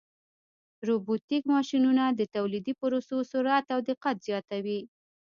روبوټیک ماشینونه د تولیدي پروسو سرعت او دقت زیاتوي.